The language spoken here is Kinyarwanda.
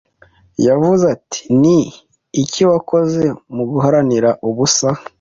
Yavuze ati Ni iki wakoze mu guharanira ubusa